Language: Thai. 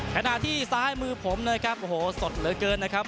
ขณะที่ซ้ายมือผมนะครับโอ้โหสดเหลือเกินนะครับ